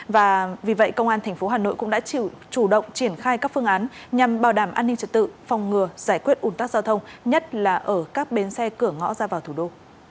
và vì vậy công an tp hà nội cũng đã chủ động triển khai các phương án nhằm bảo đảm an ninh trật tự phòng ngừa giải quyết ủn tắc giao thông nhất là ở các bến xe cửa ngõ ra vào thủ đô